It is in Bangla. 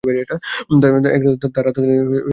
তারা তাকে তাদের "মৌলভি" বলে অভিহিত করে।